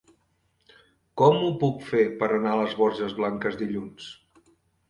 Com ho puc fer per anar a les Borges Blanques dilluns?